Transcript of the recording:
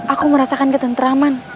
aku merasakan ketenteraman